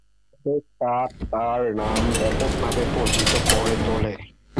Carpet তাঁত তার নাম ব্যাপকভাবে পরিচিত করে তোলে।